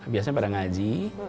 biasanya pada ngaji